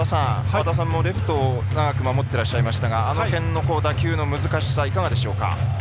和田さんもレフトを長く守っていらっしゃいましたがあの辺の打球の難しさはいかがでしょうか。